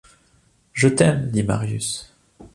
Je t’aime ! dit Marius.